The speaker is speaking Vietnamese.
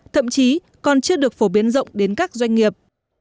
thậm chí còn chưa được phổ biến rộng đến các doanh nghiệp